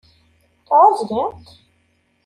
Tɛeẓgemt?